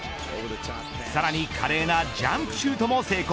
さらに華麗なジャンプシュートも成功。